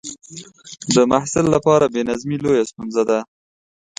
د محصل لپاره بې نظمي لویه ستونزه ده.